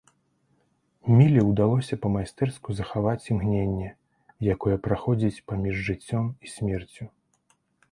Міле ўдалося па-майстэрску захаваць імгненне, якое праходзіць паміж жыццём і смерцю.